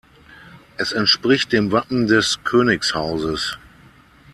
Es entspricht dem Wappen des Königshauses.